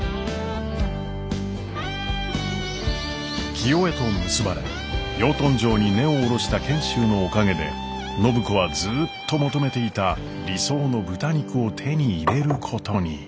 清恵と結ばれ養豚場に根を下ろした賢秀のおかげで暢子はずっと求めていた理想の豚肉を手に入れることに。